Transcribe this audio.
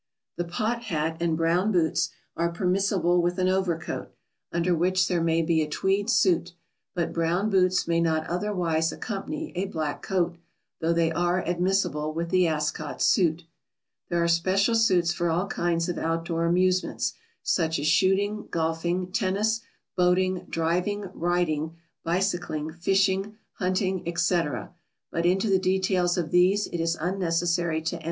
] The "pot" hat and brown boots are permissible with an overcoat, under which there may be a tweed suit, but brown boots may not otherwise accompany a black coat, though they are admissible with the Ascot suit. [Sidenote: Special suits.] There are special suits for all kinds of outdoor amusements, such as shooting, golfing, tennis, boating, driving, riding, bicycling, fishing, hunting, &c., but into the details of these it is unnecessary to enter.